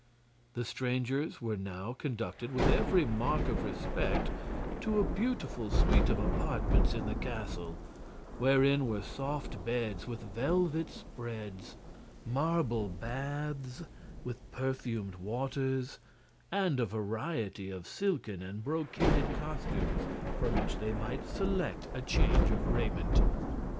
The strangers were now conducted, with every mark of respect, to a beautiful suite of apartments in the castle, wherein were soft beds with velvet spreads, marble baths with perfumed waters, and a variety of silken and brocaded costumes from which they might select a change of raiment.